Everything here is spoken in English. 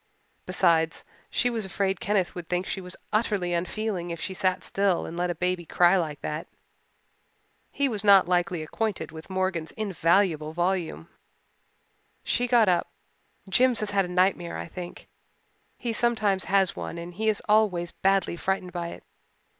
Besides, she was afraid Kenneth would think she was utterly unfeeling if she sat still and let a baby cry like that. He was not likely acquainted with Morgan's invaluable volume. She got up. "Jims has had a nightmare, I think. He sometimes has one and he is always badly frightened by it.